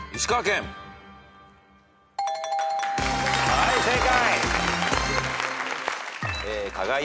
はい正解。